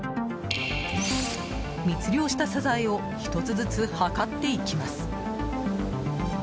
密漁したサザエを１つずつ測っていきます。